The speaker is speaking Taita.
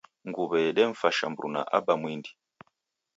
Nguw'e yedemfasha mruna aba mwindi.